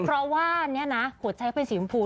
เพราะว่านี่นะหัวใจเป็นสีภูมิ